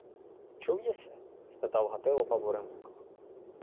— Чув єси? — спитав Гатило папу римського.